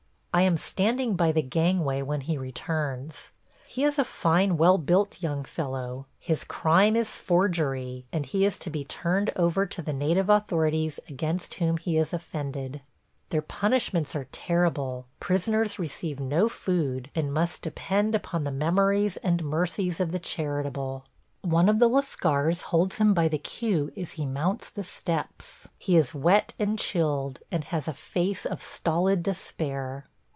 I am standing by the gangway when he returns. He is a fine, well built young fellow. His crime is forgery, and he is to be turned over to the native authorities against whom he has offended. Their punishments are terrible: prisoners receive no food, and must depend upon the memories and mercies of the charitable. ... One of the Lascars holds him by the queue as he mounts the steps. He is wet and chilled, and has a face of stolid despair.